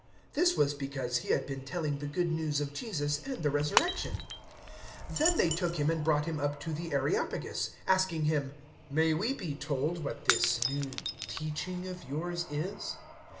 This was because he had been telling the Good News of Jesus and the Resurrection. 017:019 Then they took him and brought him up to the Areopagus, asking him, "May we be told what this new teaching of yours is?